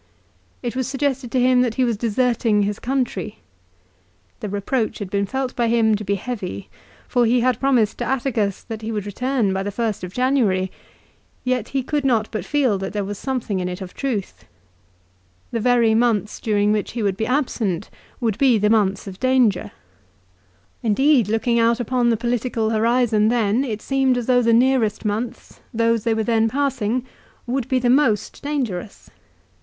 It was suggested to him that he was deserting his country. The reproach had been felt by him to be heavy, for he had promised to Atticus that he would return by the first of January ; yet he could not but feel that there was something in it of truth. The very months during which he would be absent would be the months of danger. Indeed, looking 1 Ad Att. xvi. 7. Q 2 228 LIFE OF CICERO. out upon the political horizon then, it seemed as though the nearest months, those they were then passing, would be the most dangerous.